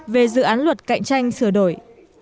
về dự án luật cạnh tranh sửa đổi